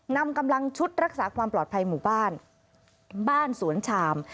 นำกำลังชุดรักษาความปลอดภัยหมู่บ้านบ้านสวนชาม